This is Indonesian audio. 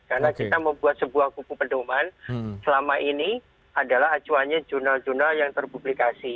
karena kita membuat sebuah kupu penduman selama ini adalah acuannya jurnal jurnal yang terpublikasi